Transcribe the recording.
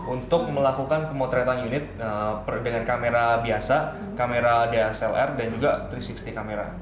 untuk melakukan pemotretan unit dengan kamera biasa kamera dslr dan juga tiga ratus enam puluh kamera